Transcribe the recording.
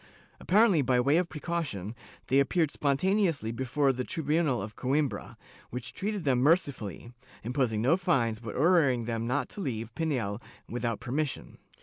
Apparently by way of precaution, they appeared spon taneously before the tribunal of Coimbra, which treated them mercifully, imposing no fines but ordering them not to leave Pinhel without permission.